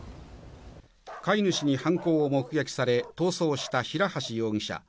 飼い主に犯行を目撃され、逃走した平橋容疑者。